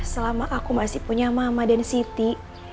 selama aku masih punya mama dan siti